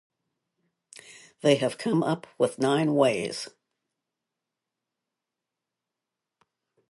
They have come up with nine ways.